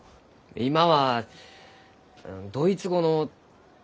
今はドイツ語の。